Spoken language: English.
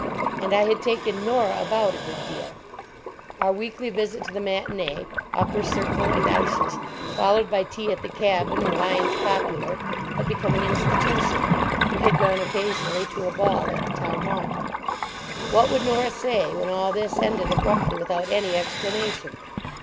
And I had taken Norah about a good deal. Our weekly visit to a matinée (upper circle and ices), followed by tea at the Cabin or Lyons' Popular, had become an institution. We had gone occasionally to a ball at the Town Hall. What would Norah say when all this ended abruptly without any explanation?